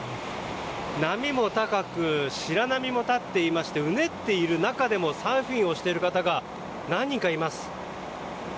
波も高く、白波も立っていましてうねっている中でもサーフィンをしている方が何人かいます。